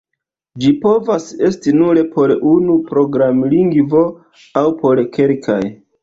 Ĝi povas esti nur por unu programlingvo aŭ por kelkaj.